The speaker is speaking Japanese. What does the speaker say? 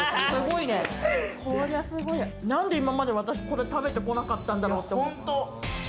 何で今まで私これ食べてこなかったんだろうって。